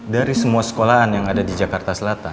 dari semua sekolahan yang ada di jakarta selatan